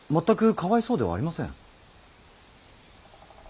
全くかわいそうではありません。